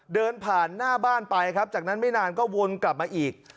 เดินผ่านหน้าบ้านไปครับจากนั้นไม่นานก็วนกลับมาอีก